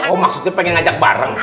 oh maksudnya pengen ngajak bareng